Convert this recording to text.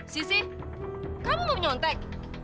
sissy kamu mau menyontek